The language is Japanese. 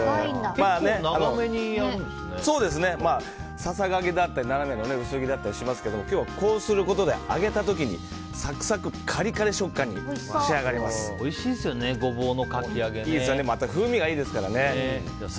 ささがきだったり斜めの薄切りだったりしますがこうすることで揚げた時にサクサク、カリカリ食感においしいですよねまた風味がいいですからね。